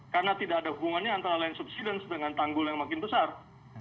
karena tidak ada hubungannya antara land subsidence dan land subsidence